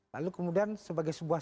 lalu kemudian sebagai sebuah